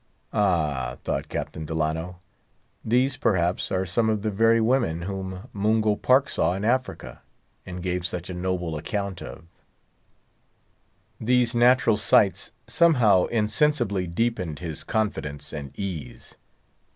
Ah! thought Captain Delano, these, perhaps, are some of the very women whom Ledyard saw in Africa, and gave such a noble account of. These natural sights somehow insensibly deepened his confidence and ease.